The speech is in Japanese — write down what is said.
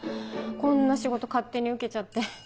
こんな仕事勝手に受けちゃって。